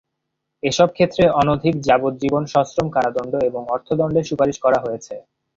এসব ক্ষেত্রে অনধিক যাবজ্জীবন সশ্রম কারাদণ্ড এবং অর্থদণ্ডের সুপারিশ করা হয়েছে।